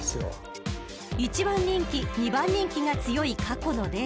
［１番人気２番人気が強い過去のデータ］